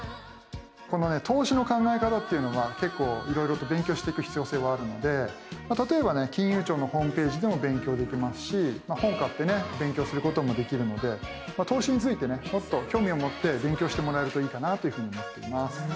この投資の考え方っていうのは結構いろいろと勉強していく必要性はあるので例えばね金融庁のホームページでも勉強できますし本買ってね勉強することもできるので投資についてねもっと興味を持って勉強してもらえるといいかなというふうに思っています。